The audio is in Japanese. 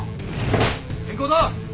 変更だ！